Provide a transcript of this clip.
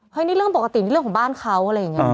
นี่เรื่องปกตินี่เรื่องของบ้านเขาอะไรอย่างนี้